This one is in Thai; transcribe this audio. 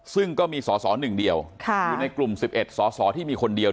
ซึ่งก็มีสสหนึ่งเดียวค่ะอยู่ในกลุ่มสิบเอ็ดสสที่มีคนเดียว